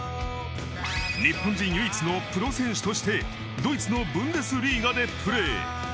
日本人唯一のプロ選手としてドイツのブンデスリーガでプレー。